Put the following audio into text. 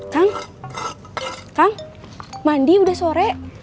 kang kang mandi udah sore